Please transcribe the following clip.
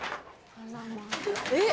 えっ。